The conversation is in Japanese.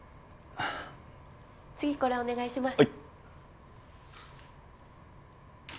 はい次これお願いします